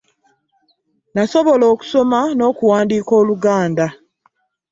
Nsobola okusoma n'okuwandika oluganda.